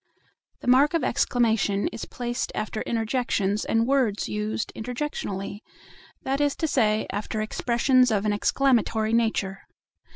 The mark of exclamation is placed after interjections and words used interjectionally; that is to say, after expressions of an exclamatory nature.